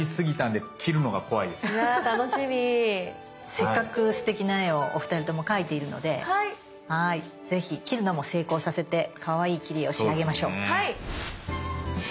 せっかくすてきな絵をお二人とも描いているのでぜひ切るのも成功させてかわいい切り絵を仕上げましょう。